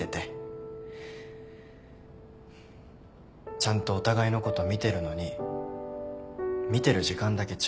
ちゃんとお互いのこと見てるのに見てる時間だけ違ってる。